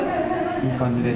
いい感じです。